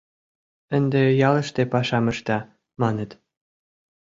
Ынде ялыште пашам ышта, маныт.